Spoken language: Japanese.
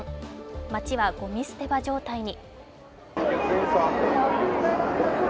街はごみ捨て場状態に。